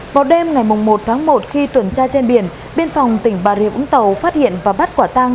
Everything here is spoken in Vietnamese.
vào đêm ngày một tháng một khi tuần tra trên biển biên phòng tỉnh bà rịa vũng tàu phát hiện và bắt quả tang